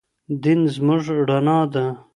دين زموږ رڼا ده.